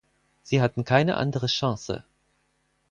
Sie hatten keine andere Chance.